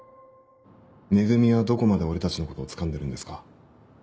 「め組」はどこまで俺たちのことをつかんでるんですか？